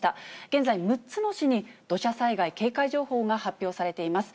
現在、６つの市に土砂災害警戒情報が発表されています。